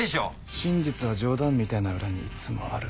真実は冗談みたいな裏にいつもある。